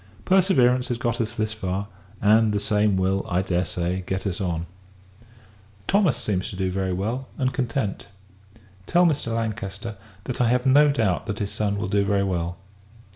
Perseverance has got us thus far; and the same will, I dare say, get us on. Thomas seems to do very well, and content. Tell Mr. Lancaster, that I have no doubt that his son will do very well.